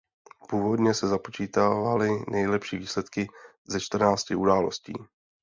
Původně se započítávaly nejlepší výsledky ze čtrnácti událostí.